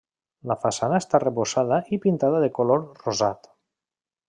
La façana està arrebossada i pintada de color rosat.